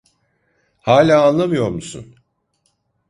Hala anlamıyor musun?